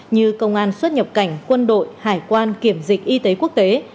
như công an xuất nhập cảnh quân đội hải quan kiểm dịch y tế quốc tế